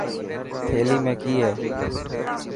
ٿيلي ۾ ڪئي هي.